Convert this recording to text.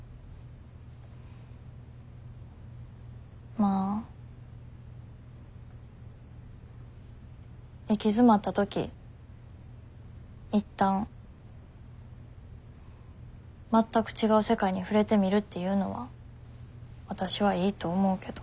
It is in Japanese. まあ行き詰まった時一旦全く違う世界に触れてみるっていうのはわたしはいいと思うけど。